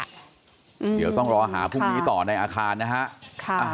เดี๋ยวต้องรอหาพรุ่งนี้ต่อในอาคารนะฮะ